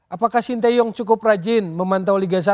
apakah sinteyong cukup rajin memantau liga satu